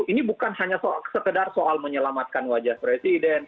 ini bukan hanya sekedar soal menyelamatkan wajah presiden